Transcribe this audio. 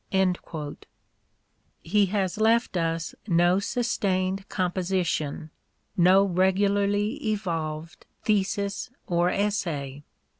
i68 EMERSON'S WRITINGS He has left us no sustained composition, no regularly evolved thesis or essay.